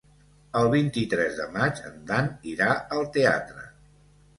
El vint-i-tres de maig en Dan irà al teatre.